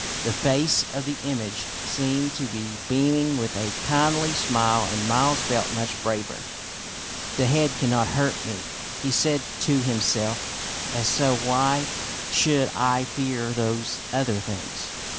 The face of the image seemed to be beaming with a kindly smile, and Miles felt much braver. '* The head cannot hurt me," he said to himself ;" and so why should I fear those other things